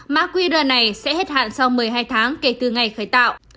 mã qr này sẽ hết hạn sau một mươi hai tháng kể từ ngày khởi tạo